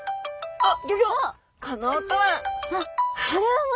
あっ！